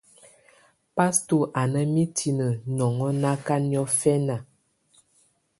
Pasto á nà mitinǝ́ nɔhɔŋnaga niɔ̀fɛ̀na.